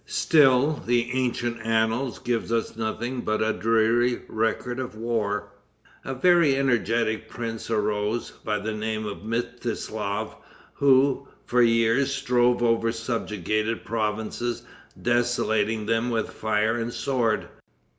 Still the ancient annals give us nothing but a dreary record of war. A very energetic prince arose, by the name of Mstislaf, who, for years, strode over subjugated provinces, desolating them with fire and sword.